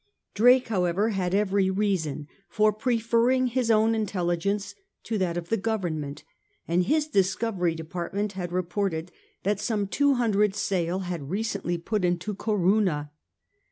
Drake, however, had every reason for preferring his own intelligence to that of the Government, and his "discovery" department had reported that some two hundred sail had recently put into Corunna.